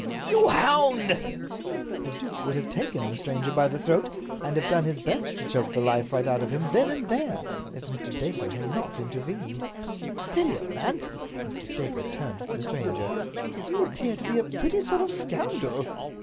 "You hound!" The duke would have taken the stranger by the throat, and have done his best to choke the life right out of him then and there, if Mr. Dacre had not intervened. "Steady, old man!" Mr. Dacre turned to the stranger. "You appear to be a pretty sort of a scoundrel."